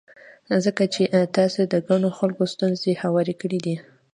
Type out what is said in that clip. ځکه چې تاسې د ګڼو خلکو ستونزې هوارې کړې دي.